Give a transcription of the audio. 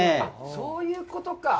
そういうことか！